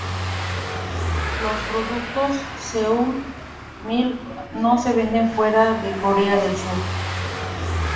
Los productos Seoul Milk no se venden fuera de Corea del Sur.